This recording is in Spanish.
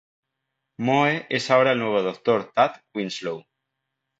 Moe es ahora el nuevo Dr. Tad Winslow.